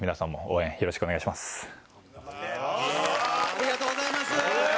ありがとうございます。